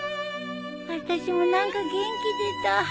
あたしも何か元気出た。